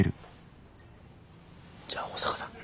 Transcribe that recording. じゃあ保坂さん。